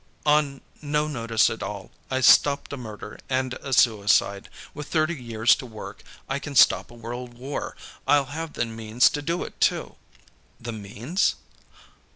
On no notice at all, I stopped a murder and a suicide. With thirty years to work, I can stop a world war. I'll have the means to do it, too." "The means?"